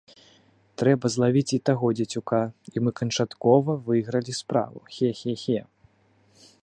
Трэба злавіць і таго дзецюка, і мы канчаткова выйгралі справу, хе-хе-хе!